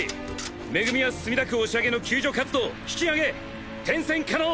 め組は墨田区押上の救助活動引き揚げ転戦可能！